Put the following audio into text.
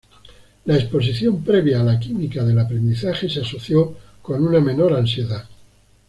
La exposición previa a la química del aprendizaje se asoció con una menor ansiedad.